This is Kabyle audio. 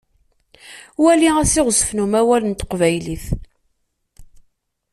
Wali asiɣzef n umawal n teqbaylit.